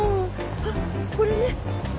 あっこれね。